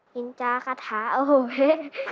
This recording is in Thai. นินจากาถาโอโหเฮ